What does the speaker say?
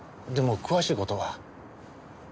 でも詳しい事は。